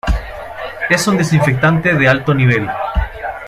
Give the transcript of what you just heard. Es un desinfectante de alto nivel.